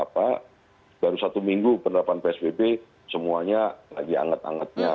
baru satu minggu penerapan psbb semuanya lagi anget angetnya